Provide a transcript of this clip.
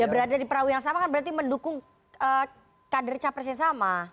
ya berada di perahu yang sama kan berarti mendukung kader capresnya sama